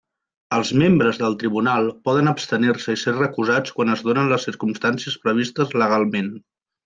Els membres del tribunal poden abstenir-se i ser recusats quan es donen les circumstàncies previstes legalment.